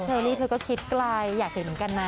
เธอนี่เธอก็คิดไกลอยากเห็นกันน่ะ